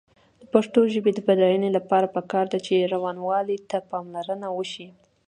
د پښتو ژبې د بډاینې لپاره پکار ده چې روانوالي ته پاملرنه وشي.